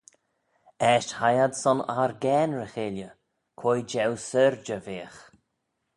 Eisht hie ad son argane ry-cheilley, quoi jeu syrjey veagh.